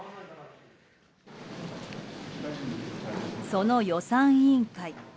その予算委員会。